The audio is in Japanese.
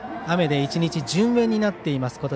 雨で１日順延になっています